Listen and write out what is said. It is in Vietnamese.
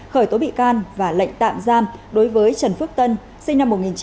khởi tố bị can và lệnh tạm giam đối với trần phước tân sinh năm một nghìn chín trăm tám mươi